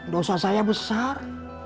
dosa saya besar